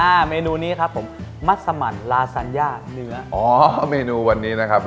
อ่าเมนูนี้ครับผมลาซันยากเนื้ออ๋อเมนูวันนี้นะครับ